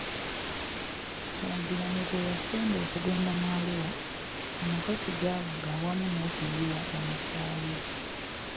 Kyagulanyi lwe yasemba okugenda mu Arua, amasasi gaavuga awamu n'okuyiwa omusaayi.